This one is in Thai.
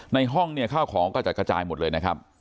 ในห้องเนี่ยข้าวของกระจัดกระจายหมดเลยนะครับ